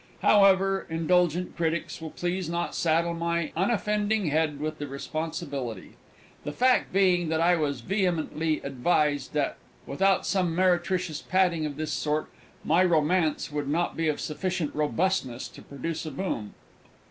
However, indulgent critics will please not saddle my unoffending head with the responsibility, the fact being that I was vehemently advised that, without some meretricious padding of this sort, my Romance would not be of sufficient robustness to produce a boom.